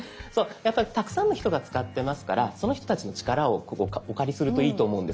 やっぱりたくさんの人が使ってますからその人たちの力をお借りするといいと思うんです。